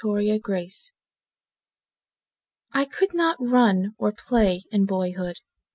Francis Turner I could not run or play In boyhood.